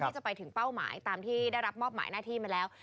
ที่จะไปถึงเป้าหมายตามที่ได้รับมอบหมายหน้าที่มาแล้ว